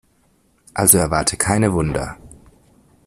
Also erwarte keine Wunder.